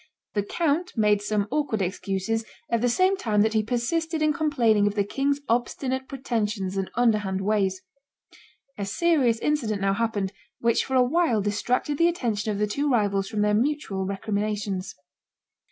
The count made some awkward excuses, at the same time that he persisted in complaining of the king's obstinate pretensions and underhand ways. A serious incident now happened, which for a while distracted the attention of the two rivals from their mutual recriminations.